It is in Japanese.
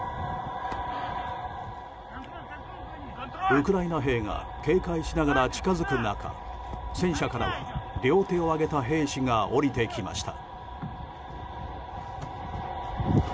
ウクライナ兵が警戒しながら近づく中戦車からは両手を上げた兵士が降りてきました。